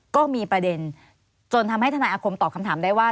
ก็มีประเด็นจนทำให้ทนายอาคมตอบคำถามได้ว่า